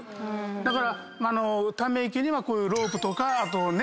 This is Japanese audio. だからため池にはこういうロープとかネットですよね。